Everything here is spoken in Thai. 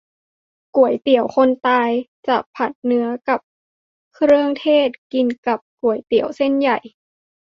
ก๋วยเตี๋ยวคนตาย จะผัดเนื้อกับเครื่องเทศ กินกับก๋วยเตี๋ยวเส้นใหญ่